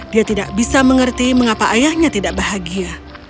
dia tidak bisa mengerti mengapa ayahnya tidak bahagia